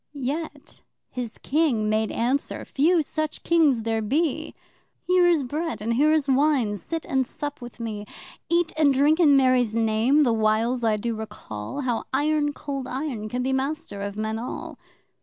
Yet his King made answer (few such Kings there be!) 'Here is Bread and here is Wine sit and sup with me. Eat and drink in Mary's Name, the whiles I do recall How Iron Cold Iron can be master of men all!